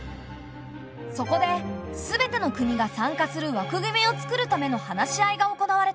そこですべての国が参加する枠組みを作るための話し合いが行われた。